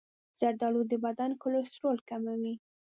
زردآلو د بدن کلسترول کموي.